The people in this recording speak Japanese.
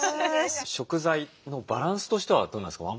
食材のバランスとしてはどうなんですか。